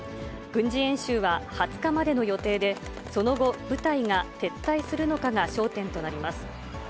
軍事演習は２０日までの予定で、その後、部隊が撤退するのかが焦点となります。